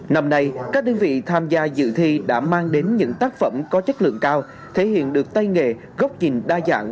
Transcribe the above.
năm nay các đơn vị tham gia dự thi đã mang đến những tác phẩm có chất lượng cao thể hiện được tay nghề góc nhìn đa dạng